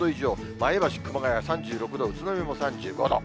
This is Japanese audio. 前橋、熊谷３６度、宇都宮も３５度。